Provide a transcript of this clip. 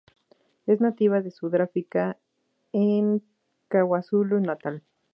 Es nativa de Sudáfrica en KwaZulu-Natal.